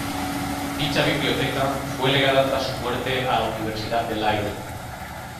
Dicha biblioteca fue legada tras su muerte a la Universidad de Leiden.